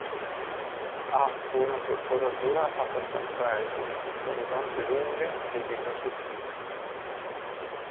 Ha una corporatura abbastanza esile, con zampe lunghe e dita sottili.